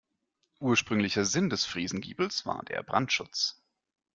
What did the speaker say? Ursprünglicher Sinn des Friesengiebels war der Brandschutz.